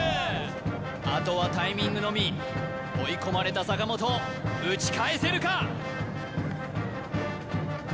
あとはタイミングのみ追い込まれた坂本打ち返せるか？